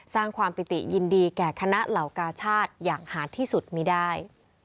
สร้างความปิติยินดีแก่คณะเหล่ากาชาติอย่างหาดที่สุดมีได้